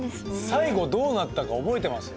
最後どうなったか覚えてます？